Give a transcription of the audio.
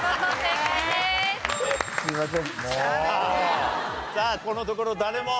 すいません。